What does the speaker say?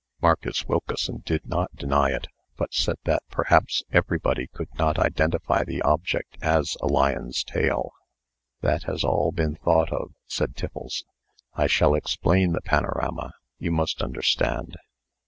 Marcus Wilkeson did not deny it, but said that perhaps everybody could not identify the object as a lion's tail. "That has all been thought of," said Tiffles. "I shall explain the panorama, you must understand.